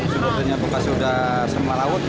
sebetulnya bekasi udah semraut